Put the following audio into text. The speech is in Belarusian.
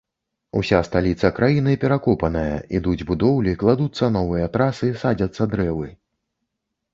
Уся сталіца краіны перакопаная, ідуць будоўлі, кладуцца новыя трасы, садзяцца дрэвы.